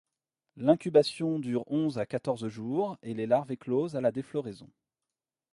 L'incubation dure onze à quatorze jours et les larves éclosent à la défloraison.